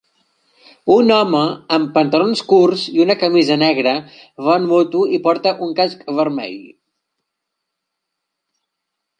Un home amb pantalons curts i una camisa negra va en moto i porta un casc vermell.